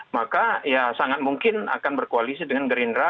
maka ya sangat mungkin akan berkoalisi dengan gerindra